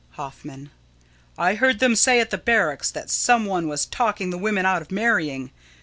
Hoffman: I heard them say at the barracks that some one was talking the women out of marrying.